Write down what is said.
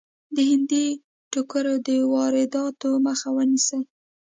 د هندي ټوکرو د وادراتو مخه ونیسي.